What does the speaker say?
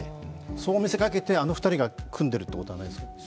そう見せかけてあの２人が組んでいるということはありませんか？